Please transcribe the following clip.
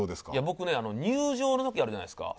僕ね入場の時あるじゃないですか